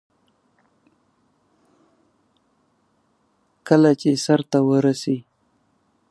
د ځان پېژندنې اجزا مناسب چلند لرل دي.